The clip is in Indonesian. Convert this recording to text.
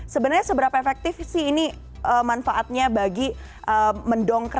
sebenarnya seberapa efektif sih ini manfaatnya bagi mendongkrak